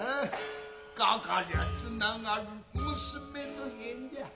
かかりやァつながる娘の縁じゃ。